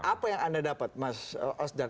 apa yang anda dapat mas osdar